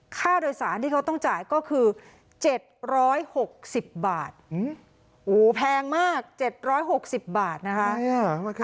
ค่าโดยสารที่เขาต้องจ่ายก็คือเจ็ดร้อยหกสิบบาทโอ้โหแพงมากเจ็ดร้อยหกสิบบาทนะคะ